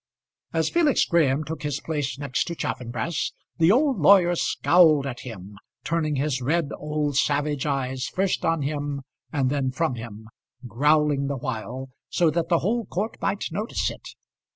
As Felix Graham took his place next to Chaffanbrass, the old lawyer scowled at him, turning his red old savage eyes first on him and then from him, growling the while, so that the whole court might notice it.